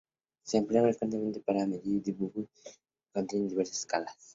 Se emplea frecuentemente para medir en dibujos que contienen diversas escalas.